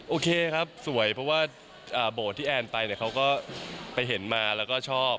โอเคครับสวยเพราะว่าโบสถ์ที่แอนไปเนี่ยเขาก็ไปเห็นมาแล้วก็ชอบ